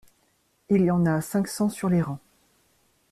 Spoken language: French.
Il y en a cinq cents sur les rangs.